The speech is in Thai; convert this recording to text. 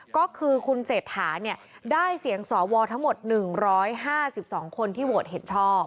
ก็คือคุณเศรษฐาได้เสียงสวทั้งหมด๑๕๒คนที่โหวตเห็นชอบ